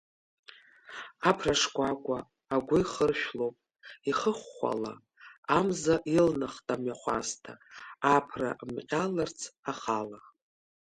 Аԥра шкәакәа, агәы ихыршәлоуп ихыхәхәала, амза илнахт амҩахәасҭа, аԥра мҟьалахырц ахала.